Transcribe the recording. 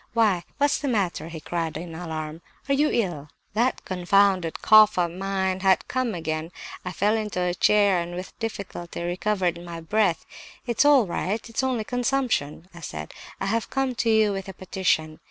'Why what's the matter?' he cried in alarm. 'Are you ill?' "That confounded cough of mine had come on again; I fell into a chair, and with difficulty recovered my breath. 'It's all right, it's only consumption' I said. 'I have come to you with a petition!